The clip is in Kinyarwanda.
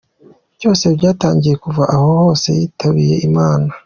Byose byatangiye kuva aho se yitabiye Imana.